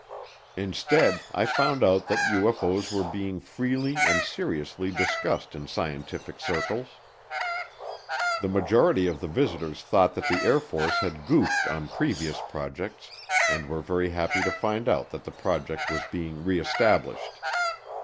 Instead I found out that UFO's were being freely and seriously discussed in scientific circles. The majority of the visitors thought that the Air Force had goofed on previous projects and were very happy to find out that the project was being re established.